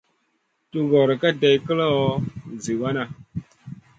Tugor ka day guloʼo zi wana.